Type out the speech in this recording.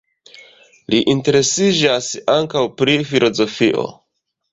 Li interesiĝas ankaŭ pri filozofio.